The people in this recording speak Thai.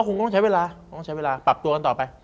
คงต้องใช้เวลาคงต้องใช้เวลาปรับตัวกันต่อไป